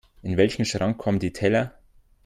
In welchen Schrank kommen die Teller?